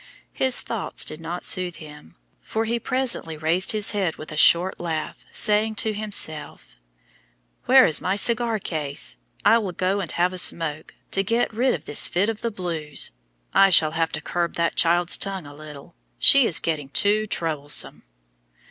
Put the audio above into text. His thoughts did not soothe him, for he presently raised his head with a short laugh, saying to himself, "Where is my cigar case? I will go and have a smoke to get rid of this fit of the blues. I shall have to curb that child's tongue a little. She is getting too troublesome."